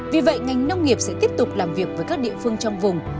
vì vậy ngành nông nghiệp sẽ tiếp tục làm việc với các địa phương trong vùng